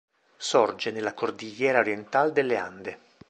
Sorge nella Cordillera Oriental delle Ande.